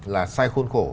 là sai khuôn khổ